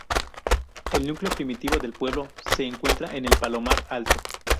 El núcleo primitivo del pueblo se encuentra en el Palomar Alto.